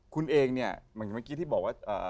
คุณเองเนี่ยหมายถึงเมื่อกี้ที่บอกว่า